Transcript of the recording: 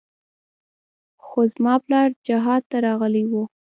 خو زما پلار جهاد ته راغلى و.